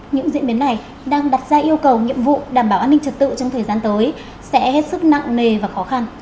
những diễn biến này đang đặt ra yêu cầu nhiệm vụ đảm bảo an ninh trật tự trong thời gian tới sẽ hết sức nặng nề và khó khăn